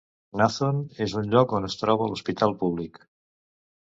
Nathon és el lloc on es troba l'hospital públic.